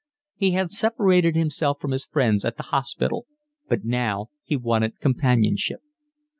He had separated himself from his friends at the hospital, but now he wanted companionship.